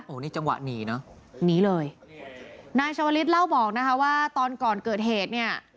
โอ้โหนี่จังหวะหนีเนอะหนีเลยนายชาวลิศเล่าบอกนะคะว่าตอนก่อนเกิดเหตุเนี่ย